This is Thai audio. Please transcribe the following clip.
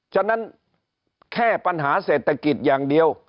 ฉะนั้นแค่ปัญหาเศรษฐกิจอย่างเดียว